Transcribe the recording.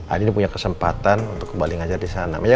adin punya kesempatan untuk kembali ngajar disana